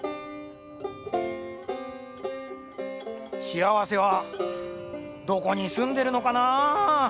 しあわせはどこにすんでるのかなぁ。